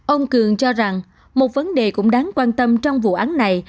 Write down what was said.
ông cường cho rằng một vấn đề cũng đáng quan tâm trong vụ án này